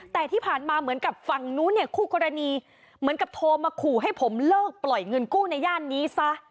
แต่ที่ผ่านมาเหมือนกับฝั่งนู้นเนี่ยคู่กรณีเหมือนกับโทรมาขู่ให้ผมเลิกปล่อยเงินกู้ในย่านนี้ซะ